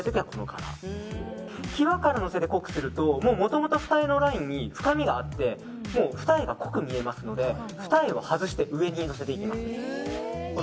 際からのせて濃くするともともと二重のラインに深みがあって二重が濃く見えますので二重は外して上にのせていきます。